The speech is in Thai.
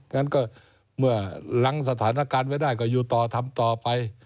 งั้นก็เมื่อหลังสถานการณ์ไว้ได้ก็อยู่ต่อทำต่อไป